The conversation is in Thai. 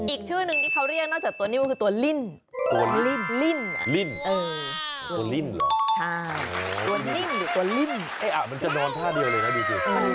อีกชื่อนึงที่เขาเรียกนอกจากตัวนิ่มคือตัวลิ่น